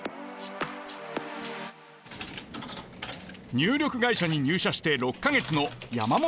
入力会社に入社して６か月の山本太郎さん。